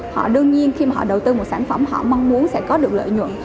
họ đương nhiên khi mà họ đầu tư một sản phẩm họ mong muốn sẽ có được lợi nhuận